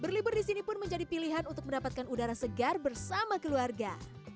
berlibur di sini pun menjadi pilihan untuk mendapatkan udara segar bersama keluarga